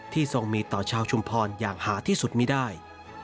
ทรงมีต่อชาวชุมพรอย่างหาที่สุดไม่ได้